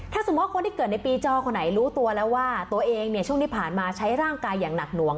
ถ้าสมมุติคนที่เกิดในปีจอคนไหนรู้ตัวแล้วว่าตัวเองเนี่ยช่วงที่ผ่านมาใช้ร่างกายอย่างหนักหน่วง